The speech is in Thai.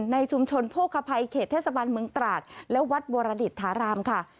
ในชุมชนโภคภัยเขตเทศบาลเมืองตราดและวัดวรดิษฐารามค่ะ